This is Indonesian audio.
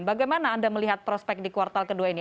bagaimana anda melihat prospek di kuartal kedua ini